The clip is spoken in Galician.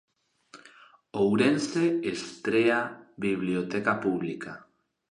Ourense estrea biblioteca pública.